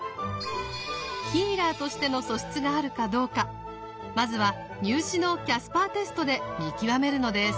ヒーラーとしての素質があるかどうかまずは入試のキャスパーテストで見極めるのです。